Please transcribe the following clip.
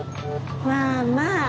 まあまあ。